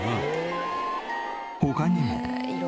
他にも。